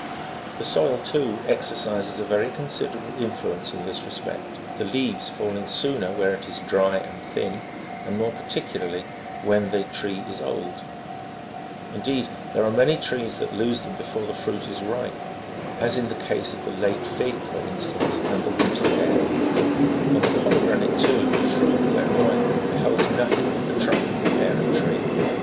The soil, too, exercises a very consi derable influence in this respect: the leaves falling sooner where it is dry and thin, and more particularly when the tree is old : indeed, there are many trees that lose them before the fruit is ripe, as in the case of the late fig, for instance, and the winter pear : on the pomegranate, too, the fruit, when ripe, beholds nothing but the trunk of the parent tree.